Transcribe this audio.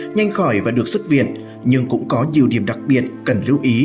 nhanh khỏi và được xuất viện nhưng cũng có nhiều điểm đặc biệt cần lưu ý